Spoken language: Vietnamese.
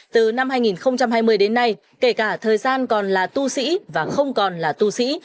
từ năm hai nghìn hai mươi đến nay kể cả thời gian còn là tu sĩ và không còn là tu sĩ